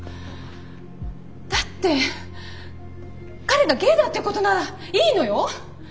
だって彼がゲイだってことならいいのよ。